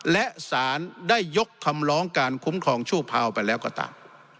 และสารได้ยกคำร้องการคุ้มครองชั่วคราวไปแล้วก็ตาม